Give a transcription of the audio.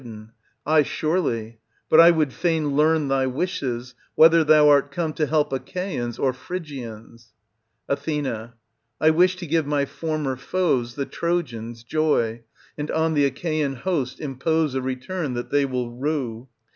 Ay surely; but I would fain learn thy wishes, whether thou art come to help Achaeans or Phrygians. Ath. I wish to give my former foes, the Trojans, joy, and on the Achaean host impose a return that they will rue.